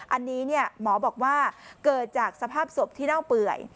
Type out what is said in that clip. อันนี้หมอบอกว่าเกิดจากสภาพศพที่เน่าเปื่อย